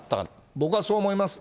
僕はそう思います。